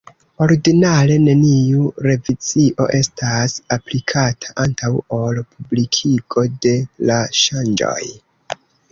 Ordinare neniu revizio estas aplikata antaŭ ol publikigo de la ŝanĝoj.